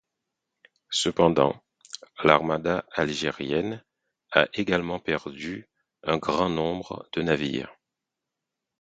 Cependant, l'armada algérienne a également perdu un grand nombre de navires.